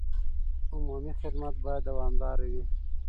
عمومي خدمت باید دوامداره وي.